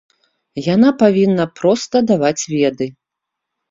Яна павінна проста даваць веды.